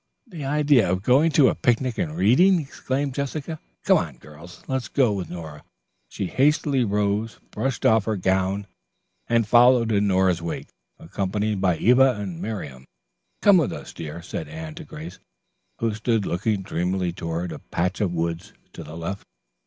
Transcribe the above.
"The idea of going to a picnic and reading!" exclaimed Jessica. "Come on, girls, let's go with Nora." She hastily rose, brushed off her gown and followed in Nora's wake, accompanied by Eva and Marian. "Come with us, dear," said Anne to Grace, who stood looking dreamily toward a patch of woods to the left.